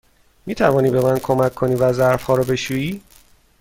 می توانی به من کمک کنی و ظرف ها را بشویی؟